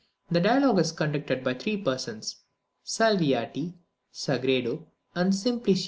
The dialogue is conducted by three persons, Salviati, Sagredo, and Simplicio.